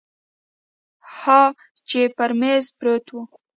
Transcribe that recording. ها چې پر میز پروت دی